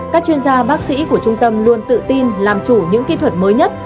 các chuyên gia bác sĩ của trung tâm luôn tự tin làm chủ những kỹ thuật mới nhất